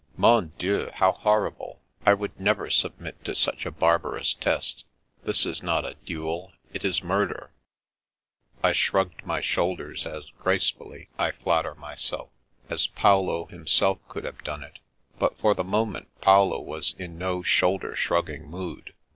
" Mon Dieu, how horrible! I would never sub mit to such a barbarous test. That is not a duel, it is murder." I shrugged my shoulders as gracefully, I flatter myself, as Paolo himself could have done it. But for the moment Paolo was in no shoulder shrug ging mood.